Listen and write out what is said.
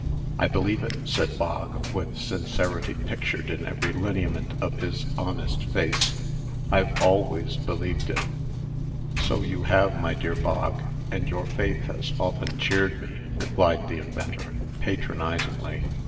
"I believe it," said Bog, with sincerity pictured in every lineament of his honest face. "I've always believed it." "So you have, my dear Bog; and your faith has often cheered me," replied the inventor, patronizingly.